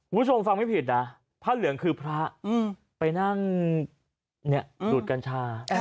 คุณผู้ชมฟังไม่ผิดนะผ้าเหลืองคือพระไปนั่งดูดกัญชา